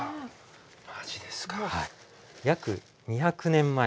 ２００年前。